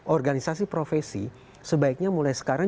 organisasi profesi sebaiknya mulai sekarang